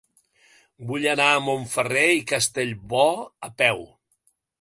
Vull anar a Montferrer i Castellbò a peu.